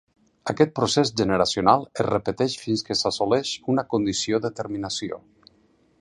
Aquest procés generacional es repeteix fins que s'assoleix una condició de terminació.